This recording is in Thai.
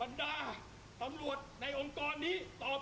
เพราะฉะนั้นเราก็ให้ความเป็นธรรมทุกคนอยู่แล้วนะครับ